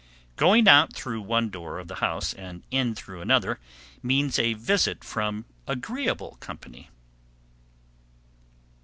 _ 751. Going out through one door of the house and in through another means a visit from agreeable company.